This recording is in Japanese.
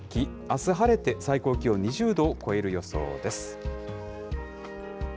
あす晴れて、最高気温２０度を超える予想です。